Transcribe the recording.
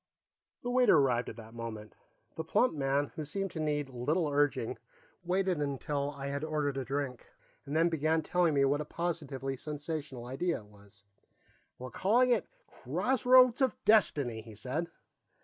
The waiter arrived at that moment. The plump man, who seemed to need little urging, waited until I had ordered a drink and then began telling me what a positively sensational idea it was. "We're calling it Crossroads of Destiny," he said.